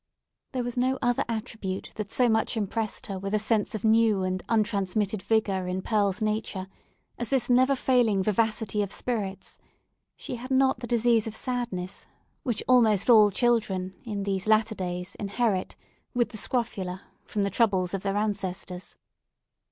There was no other attribute that so much impressed her with a sense of new and untransmitted vigour in Pearl's nature, as this never failing vivacity of spirits: she had not the disease of sadness, which almost all children, in these latter days, inherit, with the scrofula, from the troubles of their ancestors.